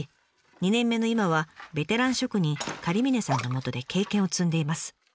２年目の今はベテラン職人狩峰さんのもとで経験を積んでいます。